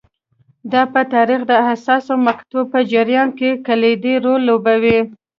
دا په تاریخ د حساسو مقطعو په جریان کې کلیدي رول لوبولی